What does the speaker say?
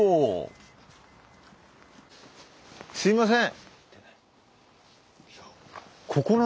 すいません。